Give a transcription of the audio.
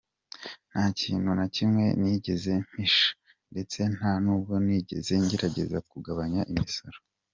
Nta kintu na kimwe nigeze mpisha, ndetse nta n’ubwo nigeze ngerageza kugabanya imisoro.